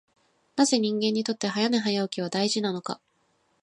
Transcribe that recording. なぜ人間にとって早寝早起きは大事なのか。